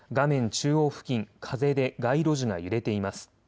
中央付近、風で街路樹が揺れています。